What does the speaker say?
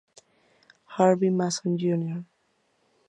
Harvey Mason, Jr.